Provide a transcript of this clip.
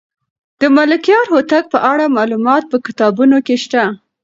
د ملکیار هوتک په اړه معلومات په کتابونو کې شته.